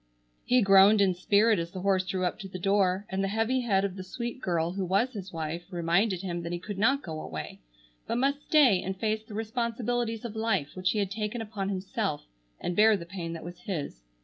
He groaned in spirit as the horse drew up to the door, and the heavy head of the sweet girl who was his wife reminded him that he could not go away, but must stay and face the responsibilities of life which he had taken upon himself, and bear the pain that was his.